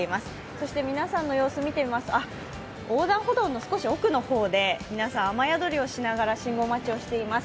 そして皆さんの様子を見てみますと横断歩道の少し奥の方で、皆さん雨宿りをしながら信号待ちをしています。